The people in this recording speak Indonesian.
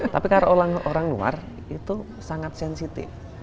tapi karena orang luar itu sangat sensitif